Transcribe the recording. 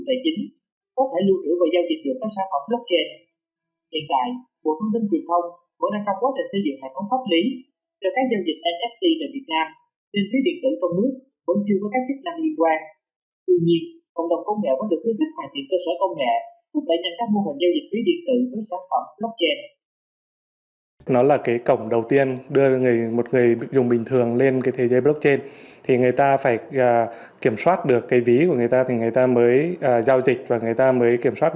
thì có là ứng dụng công dân số quốc gia vnpid